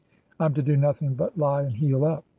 I'm to do nothing but lie and heal up."